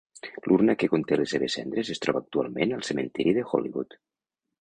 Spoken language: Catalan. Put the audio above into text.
L'urna que conté les seves cendres es troba actualment al cementiri de Hollywood.